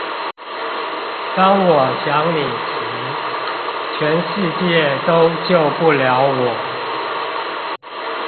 當我想你時，全世界都救不了我